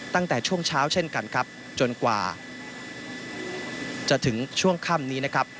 ตั้งแต่ช่วงเช้าเช่นกันครับจนกว่าจะถึงช่วงค่ำนี้นะครับ